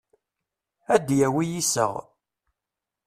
Ad d-yawi iseɣ.